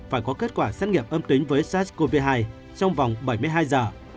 phải có kết quả xét nghiệm âm tính với sars cov hai trong vòng bảy mươi hai giờ